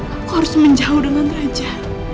aku harus menjauh dengan raja